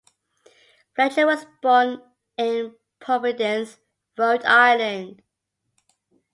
Fletcher was born in Providence, Rhode Island.